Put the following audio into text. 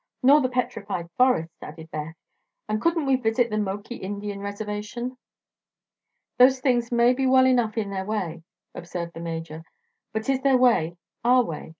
"Nor the Petrified Forests." added Beth. "And couldn't we visit the Moki Indian reservation?" "Those things may be well enough in their way," observed the Major, "but is their way our way?